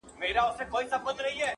o تر بې عقل دوست، هوښيار دښمن ښه دئ٫